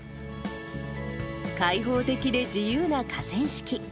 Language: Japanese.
開放的で自由な河川敷。